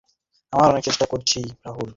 আমরা অনেক চেষ্টা করছি রাহুল।